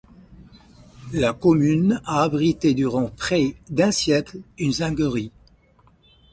La commune a abrité durant près d'un siècle une zinguerie.